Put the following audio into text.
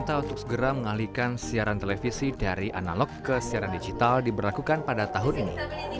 yang akan mengajarkan siaran analog ke siaran digital pada tahun ini